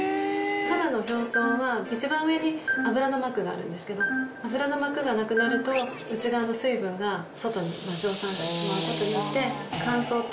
肌の表層は一番上に油の膜があるんですけど油の膜がなくなると内側の水分が外に蒸散してしまうことによって。